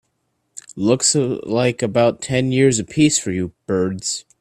Looks like about ten years a piece for you birds.